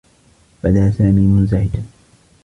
بدا سامي منزعجا.